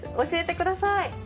教えてください。